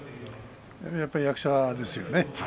やっぱり役者ですよね